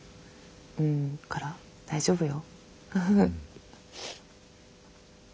うんだから大丈夫よ。